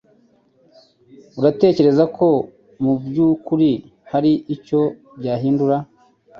Uratekereza ko mubyukuri hari icyo byahindura?